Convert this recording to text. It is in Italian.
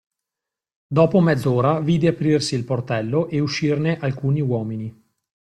Dopo mezz'ora, vide aprirsi il portello e uscirne alcuni uomini.